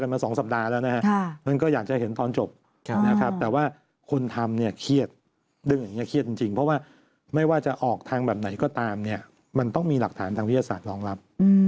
มันต้องมีหลักฐานทางวิทยาศาสตร์รองรับ